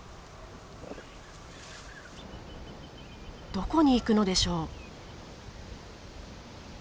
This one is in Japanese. どこに行くのでしょう？